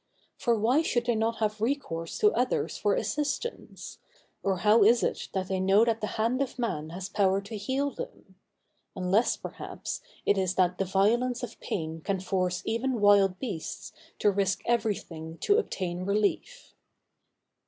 For why should they not have recourse to others for assistance? Or how is it that they know that the hand of man has power to heal them? Unless, perhaps, it is that the violence of pain can force even wild beasts to risk everything to obtain relief.